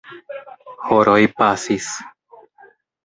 Horoj pasis.